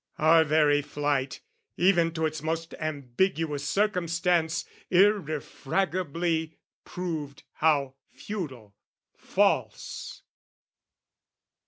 Our very flight, Even to its most ambiguous circumstance, Irrefragably proved how futile, false...